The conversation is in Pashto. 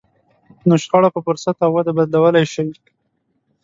نو شخړه په فرصت او وده بدلولای شئ.